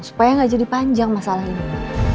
supaya nggak jadi panjang masalah ini